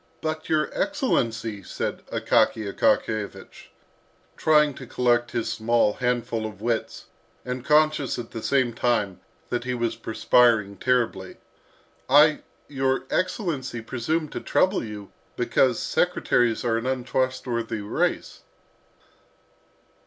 "But, your excellency," said Akaky Akakiyevich, trying to collect his small handful of wits, and conscious at the same time that he was perspiring terribly, "I, your excellency, presumed to trouble you because secretaries are an untrustworthy race."